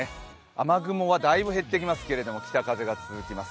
雨雲はだいぶ減ってきますけれども、北風が続きます。